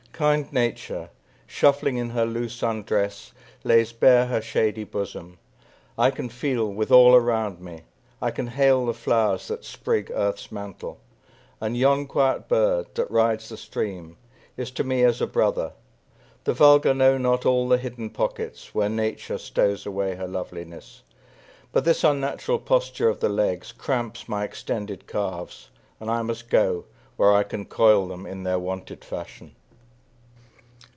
Kind Nature, shuffling in her loose undress, Lays bare her shady bosom; I can feel With all around me; I can hail the flowers That sprig earth's mantle, and yon quiet bird, That rides the stream, is to me as a brother. The vulgar know not all the hidden pockets, Where Nature stows away her loveliness. But this unnatural posture of the legs Cramps my extended calves, and I must go Where I can coil them in their wonted fashion.